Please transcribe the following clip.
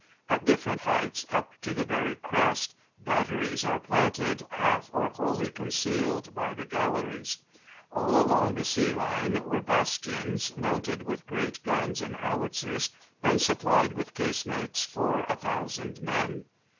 At different heights, up to the very crest, batteries are planted, half or wholly concealed by the galleries. All along the sea line were bastions, mounted with great guns and howitzers, and supplied with casemates for 1,000 men.